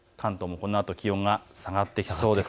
このあと気温が下がってきそうです。